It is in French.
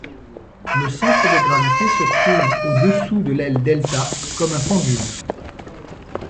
Le centre de gravité se trouve au-dessous de l'aile delta, comme un pendule.